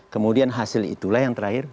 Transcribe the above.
kemudian hasil itulah yang terakhir